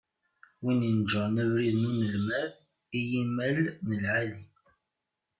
Win ineǧǧṛen abrid n unelmad i yimal n lεali.